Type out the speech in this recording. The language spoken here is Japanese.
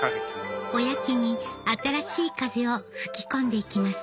おやきに新しい風を吹き込んでいきます